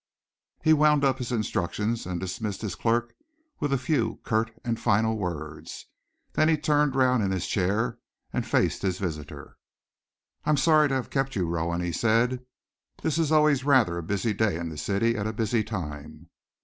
He wound up his instructions, and dismissed his clerk with a few curt and final words. Then he turned round in his chair and faced his visitor. "I am sorry to have kept you, Rowan," he said. "This is always rather a busy day in the city, and a busy time."